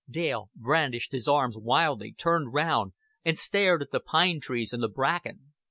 Dale brandished his arms wildly, turned round, and stared at the pine trees and the bracken.